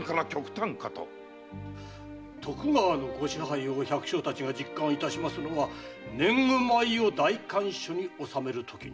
徳川のご支配を百姓たちが実感いたしますのは年貢米を代官所に納めるときにこそ。